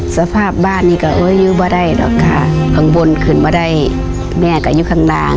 สภาพบ้านนี้ก็จะไม่ได้เหรอค่ะบนขึ้นไม่ได้แม่ก็อยู่ข้างล่าง